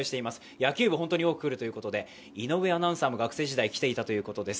野球部、本当に多く来るということで、井上アナウンサーも学生時代、来ていたということです。